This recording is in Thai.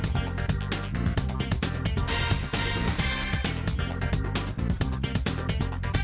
โปรดติดตามตอนต่อไป